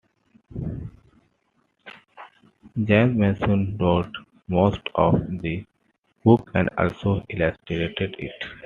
James Mason wrote most of the book and also illustrated it.